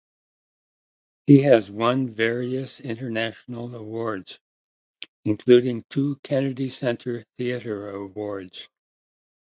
He has won various international awards, including two Kennedy Center Theater Awards.